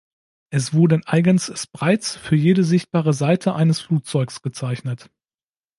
Es wurden eigens Sprites für jede sichtbare Seite eines Flugzeugs gezeichnet.